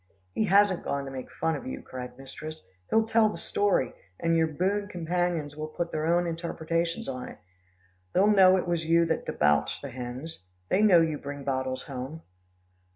"He hasn't gone to make fun of you," cried mistress, "he'll tell the story, and your boon companions will put their own interpretation on it. They'll know it was you that debauched the hens. They know you bring bottles home."